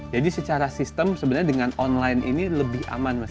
jadi secara sistem sebenarnya dengan online ini lebih aman mas